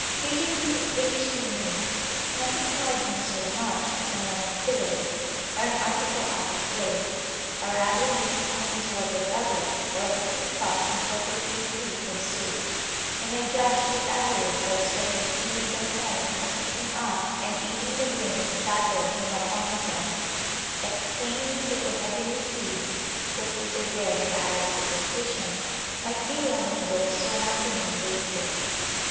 Fidgety and priggishly neat, nothing annoyed him so much as a moments delay or an article out of place, a rag removed from his water gugglet, or a cooking pot imperfectly free from soot; and I judged his avarice by observing that he made a point of picking up and eating the grains scattered from our pomegranates, exclaiming that the heavenly seed (located there by Arab superstition) might be one of those so wantonly wasted.